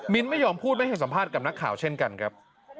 ไม่ยอมพูดไม่ให้สัมภาษณ์กับนักข่าวเช่นกันครับ